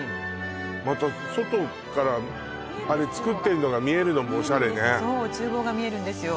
また外から作ってるのが見えるのもオシャレねそう厨房が見えるんですよ